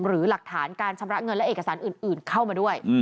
หรือหลักฐานการชำระเงินและเอกสารอื่นเข้ามาด้วย